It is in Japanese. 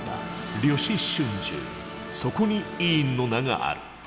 そこに伊尹の名がある。